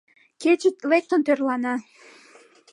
Кече лектын тӧрлана.